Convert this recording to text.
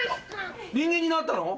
人間になったの？